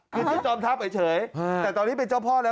คือชื่อจอมทัพเฉยแต่ตอนนี้เป็นเจ้าพ่อแล้ว